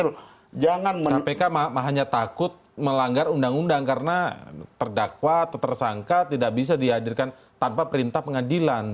kpk hanya takut melanggar undang undang karena terdakwa atau tersangka tidak bisa dihadirkan tanpa perintah pengadilan